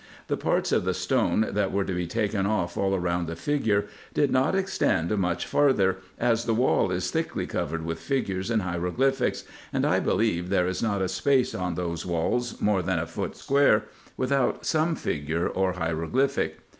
The parts of the stone that were to be taken off all round the figure did not extend much farther, as the wall is thickly covered with figures and hieroglyphics, and I believe there is not a space on those walls more than a foot square without some figure or hieroglyphic.